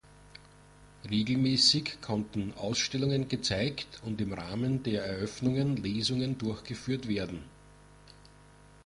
Regelmäßig konnten Ausstellungen gezeigt und im Rahmen der Eröffnungen Lesungen durchgeführt werden.